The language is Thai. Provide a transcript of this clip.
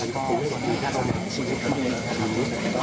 ขอบคุณครับ